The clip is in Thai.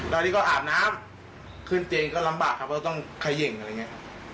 ตอนนี้ก็อาบน้ำขึ้นเตียงก็ลำบากครับเราต้องเขย่งอะไรอย่างนี้